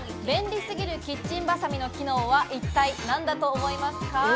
便利すぎるキッチンバサミの機能は一体何だと思いますか？